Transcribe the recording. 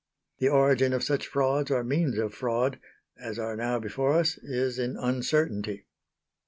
The origin of such frauds or means of fraud as are now before us is in uncertainty.